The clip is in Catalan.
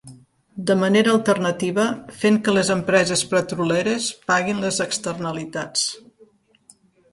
De manera alternativa, fent que les empreses petroleres paguin les externalitats.